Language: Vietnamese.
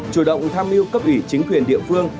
chủ động tham mưu cấp ủy chính quyền địa phương